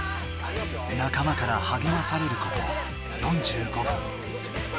仲間からはげまされること４５分。